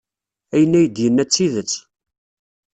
Ayen ay d-yenna d tidet.